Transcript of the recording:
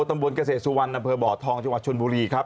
ตำบลเกษตรสุวรรณอำเภอบ่อทองจังหวัดชนบุรีครับ